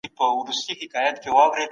د کورنۍ د اړیکو ارزښت